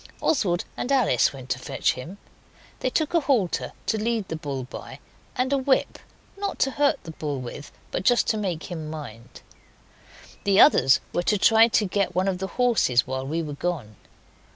Oswald and Alice went to fetch him. They took a halter to lead the bull by, and a whip, not to hurt the bull with, but just to make him mind. The others were to try to get one of the horses while we were gone.